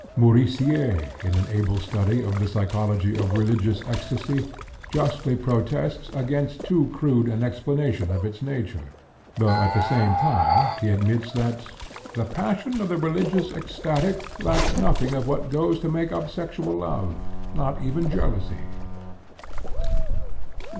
Murisier, in an able study of the psychology of religious ecstasy, justly protests against too crude an explanation of its nature, though at the same time he admits that "the passion of the religious ecstatic lacks nothing of what goes to make up sexual love, not even jealousy."